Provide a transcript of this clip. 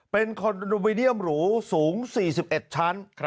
เป็นคอนโดมิเนียมหรูสูง๔๑ชั้น